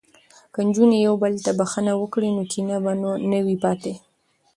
که نجونې یو بل ته بخښنه وکړي نو کینه به نه وي پاتې.